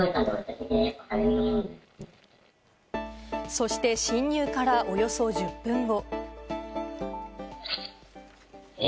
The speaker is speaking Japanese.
そして侵入からおよそ１０分後。